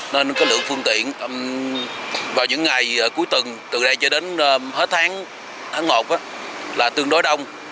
nên có lượng phương tiện vào những ngày cuối tuần từ đây cho đến hết tháng một là tương đối đông